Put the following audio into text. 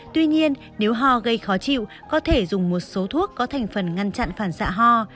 tuy nhiên nếu ho gây khó chịu có thể dùng một số thuốc có thành phần ngăn chặn phản xạ ho